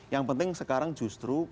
yang penting sekarang justru